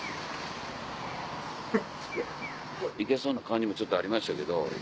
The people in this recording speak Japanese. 行けそうな感じもちょっとありましたけど。